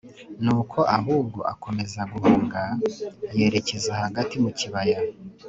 Nuko ahubwo akomeza guhunga yerekeza hagati mu kibaya